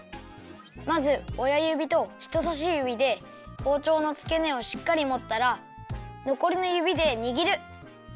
まずおやゆびとひとさしゆびでほうちょうのつけねをしっかりもったらのこりのゆびでにぎる。